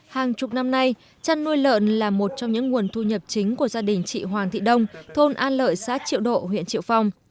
hàng chục năm nay chăn nuôi lợn là một trong những nguồn thu nhập chính của gia đình chị hoàng thị đông thôn an lợi xã triệu độ huyện triệu phong